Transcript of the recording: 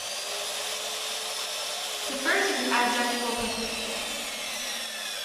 The first is an adjectival participle.